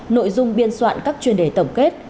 nội dung biên soạn các chuyên đề tổng kết